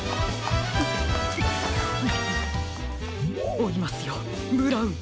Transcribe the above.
おいますよブラウン！